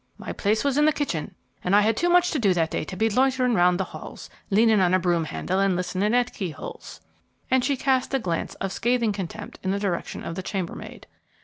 My place was in the kitchen, and I had too much to do that day to be loitering round in the halls, leaning on a broom handle, and listening at keyholes," and she cast a glance of scathing contempt in the direction of the chambermaid.